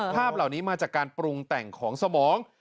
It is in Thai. ภาพเหล่านี้มาจากการปรุงแต่งของสมอง